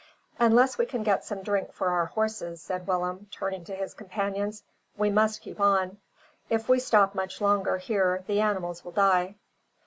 "Unless we can get some drink for our horses," said Willem, turning to his companions, "we must keep on. If we stop much longer here the animals will die."